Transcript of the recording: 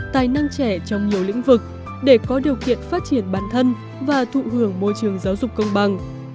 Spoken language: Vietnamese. tài năng trẻ trong nhiều lĩnh vực để có điều kiện phát triển bản thân và thụ hưởng môi trường giáo dục công bằng